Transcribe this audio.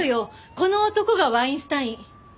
この男がワインスタイン。